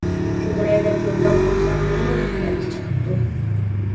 كۈلدۈرەي دەپ يوللاپ قويسام بۇمۇ تۆھمەتكە چىقىپتۇ.